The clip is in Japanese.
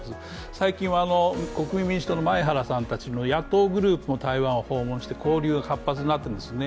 最近は国民民主党の前原さんたちの野党グループの台湾を訪問して交流、活発になってるんですね。